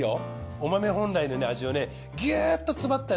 お豆本来の味をねギュッと詰まったね